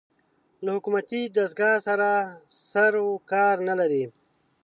له حکومتي دستګاه سره سر و کار نه لري